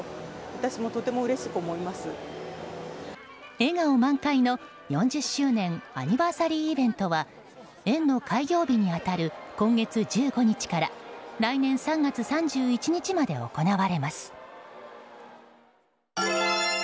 笑顔満開の４０周年アニバーサリーイベントは園の開業日に当たる今月１５日から来年３月３１日まで行われます。